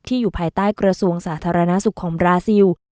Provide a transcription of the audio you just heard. อยู่ภายใต้กระทรวงสาธารณสุขของบราซิล